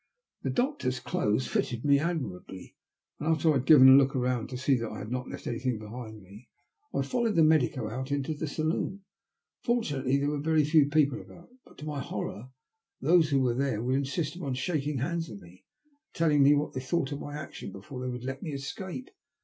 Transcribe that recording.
The doctor's clothes fitted me admirably, and after I had given a look round to see that I had not left anjrthing behind me, I followed the medico out into the saloon. Fortunately, there were very few people about, but, to my horror, those who were there would insist upon shaking hands^with me, and telling me what they thought of my action before they would let me escape.